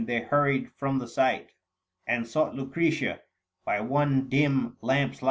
They hurried from the sight 795 And sought Lucretia : by one dim lamp's light Book II.